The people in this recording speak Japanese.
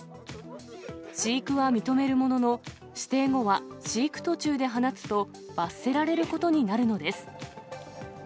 飼育は認めるものの、指定後は飼育途中で放つと、罰せられることになるのです。